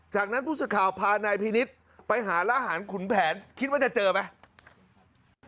จากนั้นผู้สื่อข่าวพานายพินิษฐ์ไปหาร้านอาหารขุนแผนคิดว่าจะเจอไหม